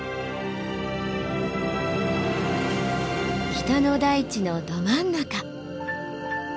北の大地のど真ん中。